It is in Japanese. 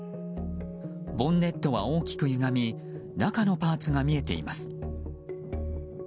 ボンネットは大きくゆがみ中のパーツが見えています。